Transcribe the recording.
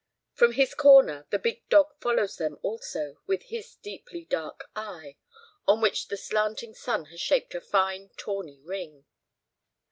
From his corner, the big dog follows them also with his deeply dark eye, on which the slanting sun has shaped a fine tawny ring.